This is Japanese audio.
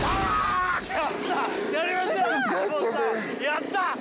やったぜ！